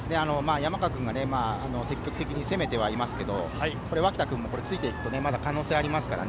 山川君が積極的に攻めていますけれど、脇田君もついて行くと可能性がありますからね。